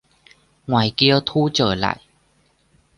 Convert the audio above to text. Ngoài kia thu trở lại